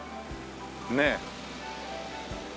ねえ。